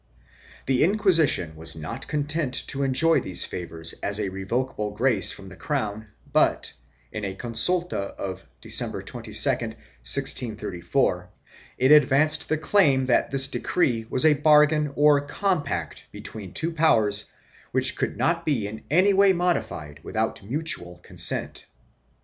1 The Inquisition was not content to enjoy these favors as a revocable grace from the crown but, in a consulta of December 22, 1634, it advanced the claim that this decree was a bargain or compact between two powers which could not be in any way modified without mutual consent.